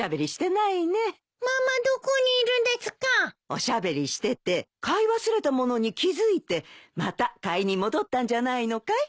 おしゃべりしてて買い忘れたものに気付いてまた買いに戻ったんじゃないのかい。